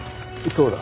そうだ。